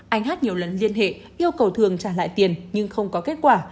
anh hát nhiều lần liên hệ yêu cầu thường trả lại tiền nhưng không có kết quả